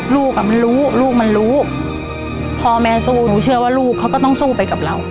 ลูกอ่ะมันรู้ลูกมันรู้พ่อแม่สู้หนูเชื่อว่าลูกเขาก็ต้องสู้ไปกับเรา